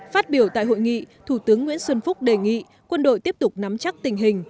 phát biểu tại hội nghị thủ tướng nguyễn xuân phúc đề nghị quân đội tiếp tục nắm chắc tình hình